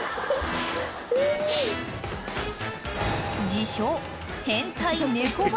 ［自称］